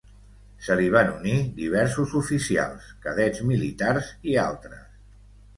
Se li van unir diversos oficials, cadets militars i altres.